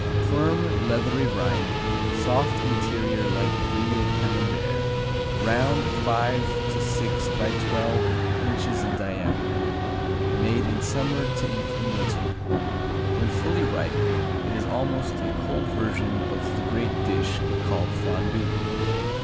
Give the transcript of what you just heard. Firm, leathery rind, soft interior like Brie or Camembert; round, five to six by twelve inches in diameter. Made in summer to eat in winter. When fully ripe it is almost a cold version of the great dish called Fondue.